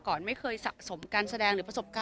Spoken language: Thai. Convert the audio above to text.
บางทีเค้าแค่อยากดึงเค้าต้องการอะไรจับเราไหล่ลูกหรือยังไง